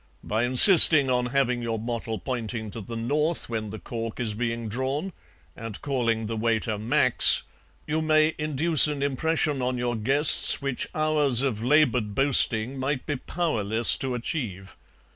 By insisting on having your bottle pointing to the north when the cork is being drawn, and calling the waiter Max, you may induce an impression on your guests which hours of laboured boasting might be powerless to achieve.